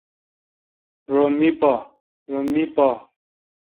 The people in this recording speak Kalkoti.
رو می پے۔